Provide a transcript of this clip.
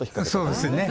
そうですね。